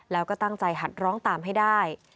แล้วก็ตั้งใจหัดร้องตามให้ได้